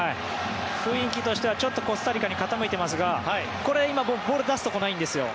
雰囲気としてはちょっとコスタリカに傾いていますがこれ今、ボールを出すところがないんですよ。